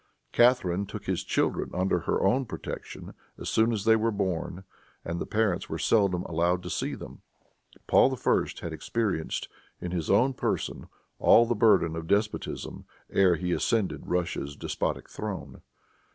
Catharine took his children under her own protection as soon as they were born, and the parents were seldom allowed to see them. Paul I. had experienced, in his own person, all the burden of despotism ere he ascended Russia's despotic throne.